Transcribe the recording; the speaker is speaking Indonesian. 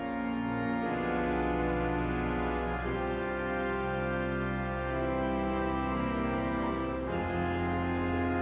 sudah berojama menyimpuknya tentang pekerjaan di negara negara alanit